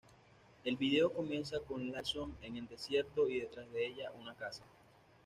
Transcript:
El vídeo comienza con Larsson en el desierto y detrás de ella una casa.